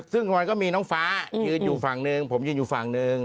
ซึ่งรอยก็มีน้องฟ้ายืนอยู่ฝั่งหนึ่งผมยืนอยู่ฝั่งหนึ่ง